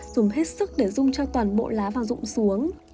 dùng hết sức để rung cho toàn bộ lá vàng rụng xuống